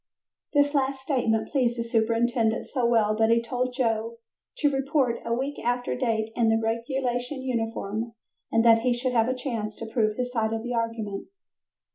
This last statement pleased the superintendent so well that he told Joe to report a week after date in a regulation uniform and that he should have a chance to prove his side of the argument.